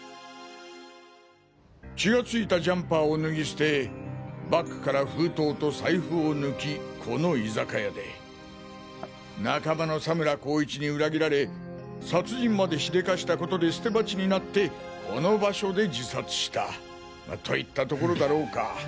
血のついたジャンパーを脱ぎ捨てバッグから封筒と財布を抜きこの居酒屋で仲間の佐村功一に裏切られ殺人までしでかしたことで捨て鉢になってこの場所で自殺したといったところだろうか。